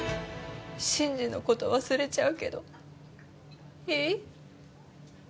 真司のこと忘れちゃうけどいい？